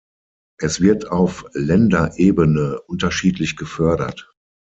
Es wird auf Länderebene unterschiedlich gefördert.